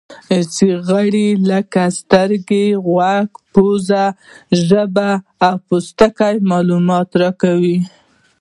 حسي غړي لکه سترګې، غوږ، پزه، ژبه او پوستکی معلومات راکوي.